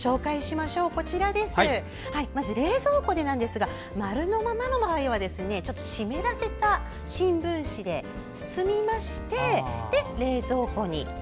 まず冷蔵庫なんですが丸のままの場合は湿らせた新聞紙で包みまして冷蔵庫に。